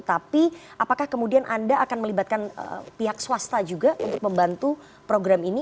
tapi apakah kemudian anda akan melibatkan pihak swasta juga untuk membantu program ini